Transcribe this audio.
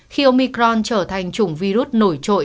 khi omicron trở thành chủng virus nổi trội